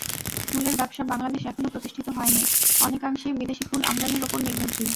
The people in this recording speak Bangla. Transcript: ফুলের ব্যবসা বাংলাদেশ এখনো প্রতিষ্ঠিত হয়নি, অনেকাংশেই বিদেশি ফুল আমদানির ওপর নির্ভরশীল।